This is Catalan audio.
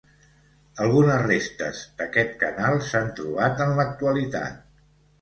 Algunes restes d'aquest canal s'han trobat en l'actualitat.